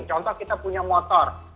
contoh kita punya motor